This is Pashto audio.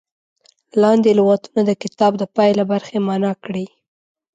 لاندې لغتونه د کتاب د پای له برخې معنا کړي.